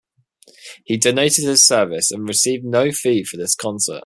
He donated his services and received no fee for this concert.